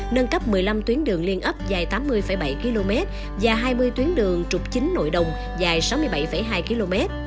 nâng cấp một mươi năm tuyến đường liên ấp dài tám mươi bảy km và hai mươi tuyến đường trục chính nội đồng dài sáu mươi bảy hai km